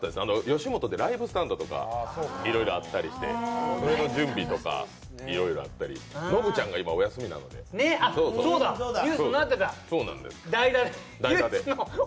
吉本でライブスタンドとかいろいろあったりして、それの準備とか、いろいろあったりノブちゃんが今、お休みなんですよ。